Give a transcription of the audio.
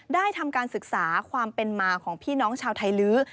ได้ทำการศึกษาความเป็นมาของพี่น้องชาวไทยลื้อ